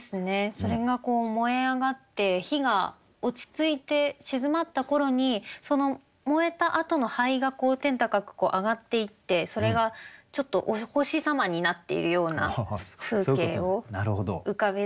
それが燃え上がって火が落ち着いて静まった頃にその燃えたあとの灰が天高く上がっていってそれがちょっとお星様になっているような風景を浮かべて。